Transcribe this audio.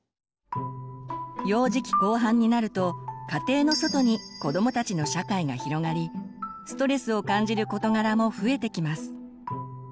幼児期後半になると家庭の外に子どもたちの社会が広がりストレスを感じる事柄も増えてきます。